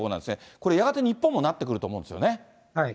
これ、やがて日本もなってくると思うんですよね。